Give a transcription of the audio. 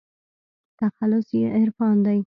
تخلص يې عرفان دى.